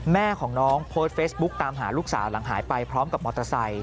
แม่ของน้องโพสต์เฟซบุ๊กตามหาลูกสาวหลังหายไปพร้อมกับมอเตอร์ไซค